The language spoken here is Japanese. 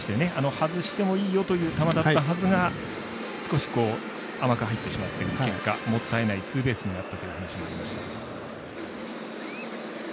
外してもいいよという球だったはずが少し甘く入ってしまってる結果もったいないツーベースになったというお話もありました。